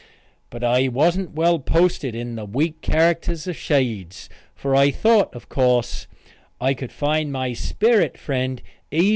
But I wasn't well posted in the weak characters of shades, for I thought, of course, I could find my sperrit friend easy when night came.